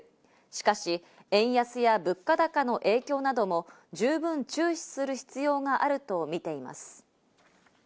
しかし円安や物価高の影響なども十分注視する必要があるとみています。